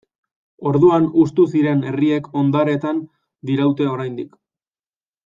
Orduan hustu ziren herriek hondarretan diraute oraindik.